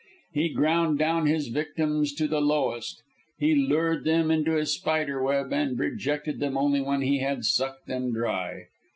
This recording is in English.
He ground down his victims to the lowest, he lured them into his spider web, and rejected them only when he had sucked them dry.